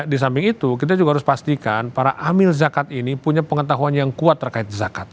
di samping itu kita juga harus pastikan para amil zakat ini punya pengetahuan yang kuat terkait zakat